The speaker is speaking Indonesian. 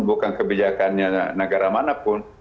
bukan kebijakannya negara manapun